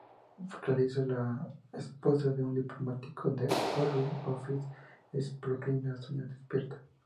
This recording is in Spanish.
Clarissa, la esposa de un diplomático del Foreign Office, es proclive a soñar despierta.